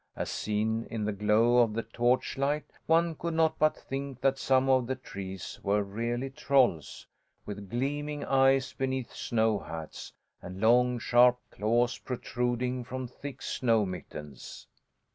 As seen in the glow of the torch light, one could not but think that some of the trees were really trolls, with gleaming eyes beneath snow hats, and long sharp claws protruding from thick snow mittens.